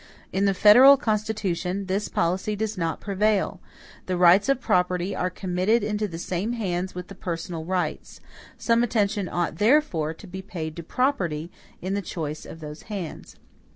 In the federal Constitution, this policy does not prevail. The rights of property are committed into the same hands with the personal rights. Some attention ought, therefore, to be paid to property in the choice of those hands.